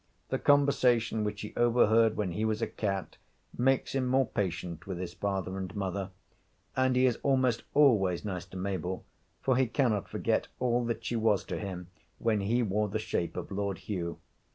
The conversation which he overheard when he was a cat makes him more patient with his father and mother. And he is almost always nice to Mabel, for he cannot forget all that she was to him when he wore the shape of Lord Hugh.